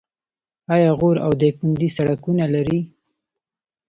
آیا غور او دایکنډي سړکونه لري؟